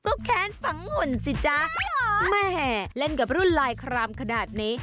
ก็แค้นฝังหุ่นสิจ๊ะแม่เล่นกับรุ่นลายครามขนาดนี้